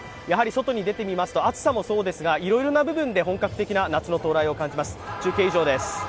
外に出てみますと暑さもそうですがいろいろな部分で本格的な夏の到来を感じます。